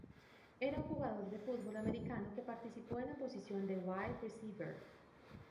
Era un jugador de fútbol americano que participó en la posición de wide receiver.